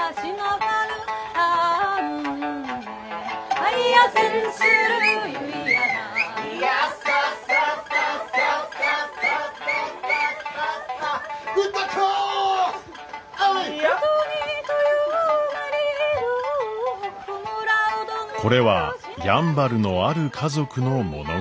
これはやんばるのある家族の物語です。